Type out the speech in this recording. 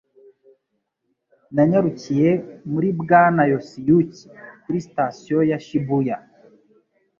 Nanyarukiye muri Bwana Yosiyuki kuri sitasiyo ya Shibuya.